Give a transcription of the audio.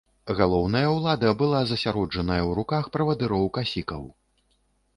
Галоўная ўлада была засяроджаная ў руках правадыроў-касікаў.